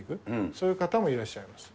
そういう方もいらっしゃいます。